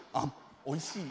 おいしい。